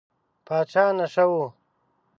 پاچا نشه و.